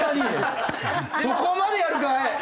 そこまでやるかい？